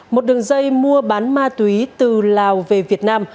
một đường dây mua bán ma túy từ lào về việt nam